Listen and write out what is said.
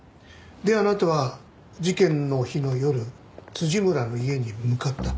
であなたは事件の日の夜村の家に向かった。